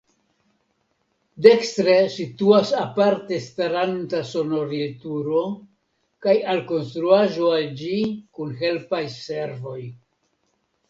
Dekstre situas aparte staranta sonorilturo kaj alkonstruaĵo al ĝi kun helpaj servoj.